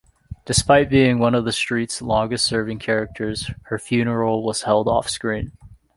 Despite being one of the street's longest serving characters, her funeral was held off-screen.